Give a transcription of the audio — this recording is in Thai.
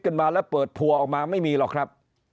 มาแล้วเปิดพัวออกมาไม่มีหรอกครับ